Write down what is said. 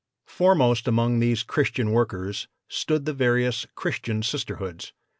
Foremost among these Christian workers stood the various Christian Sisterhoods.